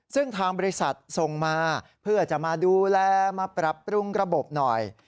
ซึ่งทางบริษัทส่งมาเพื่อจะมาดูแลมาปรับปรุงระบบหน่อย